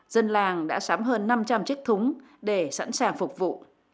dân làng đã sắm hơn năm trăm linh chiếc thúng để sẵn sàng phục vụ